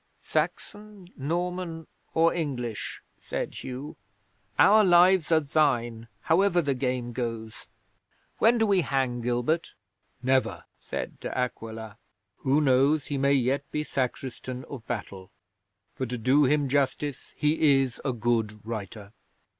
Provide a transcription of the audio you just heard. '"Saxon, Norman or English," said Hugh, "our lives are thine, however the game goes. When do we hang Gilbert?" '"Never," said De Aquila. "Who knows, he may yet be Sacristan of Battle, for, to do him justice, he is a good writer.